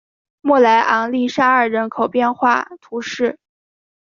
莫莱昂利沙尔人口变化图示